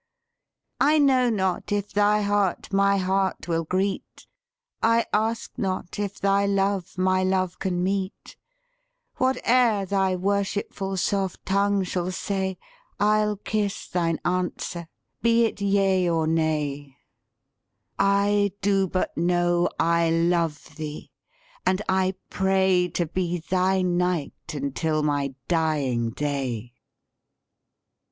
I know not if thy heart my heart will greet: I ask not if thy love my love can meet: Whate'er thy worshipful soft tongue shall say, I'll kiss thine answer, be it yea or nay: I do but know I love thee, and I pray To be thy knight until my dying day."